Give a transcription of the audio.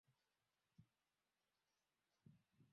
na ni rudi katika laliga nchini uhispania ambapo